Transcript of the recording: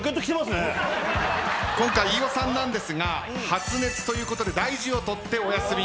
今回飯尾さんなんですが発熱ということで大事を取ってお休み。